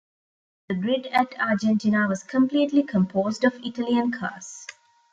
The grid at Argentina was completely composed of Italian cars.